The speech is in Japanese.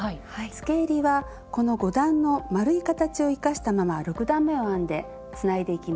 つけえりはこの５段の丸い形を生かしたまま６段めを編んでつないでいきます。